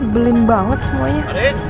belin banget semuanya